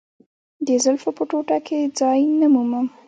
د زلفو په ټوټه کې ځای نه مومم.